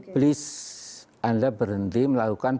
please anda berhenti melakukan